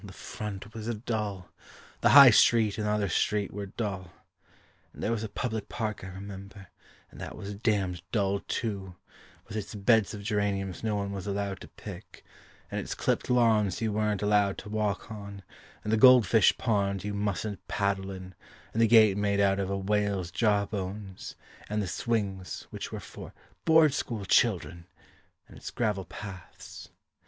The front was dull; The High Street and the other street were dull And there was a public park, I remember, And that was damned dull, too, With its beds of geraniums no one was allowed to pick, And its clipped lawns you weren't allowed to walk on, And the gold fish pond you mustn't paddle in, And the gate made out of a whale's jaw bones, And the swings, which were for "Board School children," And its gravel paths.